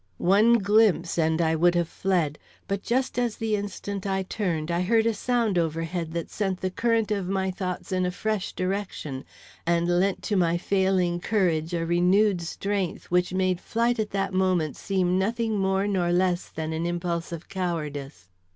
One glimpse and I would have fled; but just at the instant I turned I heard a sound overhead that sent the current of my thoughts in a fresh direction, and lent to my failing courage a renewed strength which made flight at that moment seem nothing more nor less than an impulse of cowardice.